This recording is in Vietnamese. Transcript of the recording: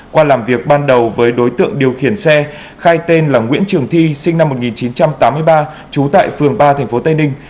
qua làm việc ban đầu với đối tượng điều khiển xe khai tên là nguyễn trường thi sinh năm một nghìn chín trăm tám mươi ba trú tại phường ba tp tây ninh